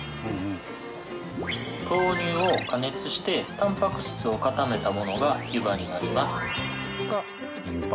豆乳を加熱してタンパク質を固めたものが湯葉になります。